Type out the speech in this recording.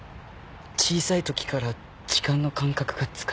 小さいときから時間の感覚がつかめなくて。